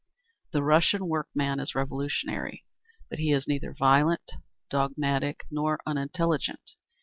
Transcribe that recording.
The Russian workman is revolutionary, but he is neither violent, dogmatic, nor unintelligent.